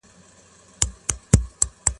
له دُرو د محتسبه تښتېدلي دي جشنونه